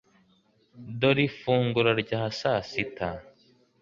Dore ifunguro rya sasita .